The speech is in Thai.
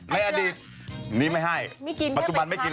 ไม่ให้ไม่กิน